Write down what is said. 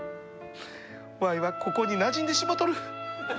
わいはここになじんでしもうとる。